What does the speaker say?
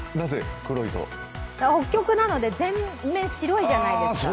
北極なので全面白いじゃないですか。